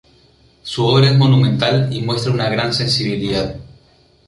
Su obra es monumental y muestra una gran sensibilidad.